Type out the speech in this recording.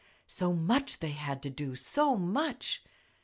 So much they had to do, so much!